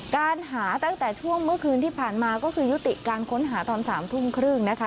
การหาตั้งแต่ช่วงเมื่อคืนที่ผ่านมาก็คือยุติการค้นหาตอน๓ทุ่มครึ่งนะคะ